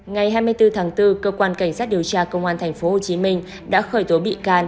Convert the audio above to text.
ngày hai mươi bốn tháng bốn cơ quan cảnh sát điều tra công an tp hcm đã khởi tố bị can